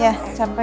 iya capek ya